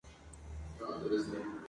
Actualmente está en proyecto.